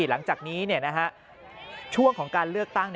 หลังจากนี้ช่วงของการเลือกตั้ง